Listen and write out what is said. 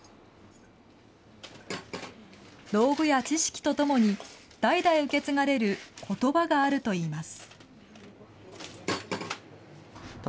道具や知識とともに、代々受け継がれることばがあるといいます。